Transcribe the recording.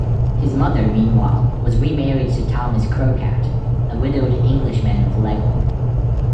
His mother, meanwhile, was remarried to Thomas Crokat, a widowed Englishman of Leghorn.